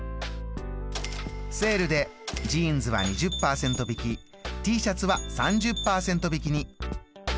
セールでジーンズは２０％引きＴシャツは３０％引きに。